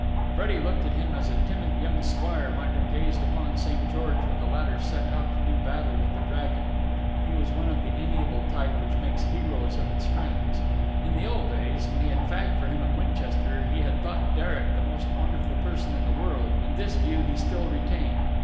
Freddie looked at him as a timid young squire might have gazed upon St. George when the latter set out to do battle with the dragon. He was of the amiable type which makes heroes of its friends. In the old days when he had fagged for him at Winchester he had thought Derek the most wonderful person in the world, and this view he still retained.